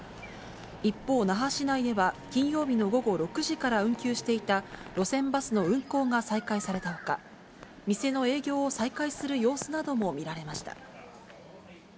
一方、那覇市内では、金曜日の午後６時から運休していた路線バスの運行が再開されたほか、店の営業を再開する様子なども見られました。